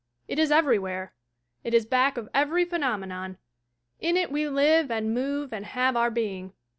It is everywhere; it is back of every phenomenon: "In it we live and move and have our being."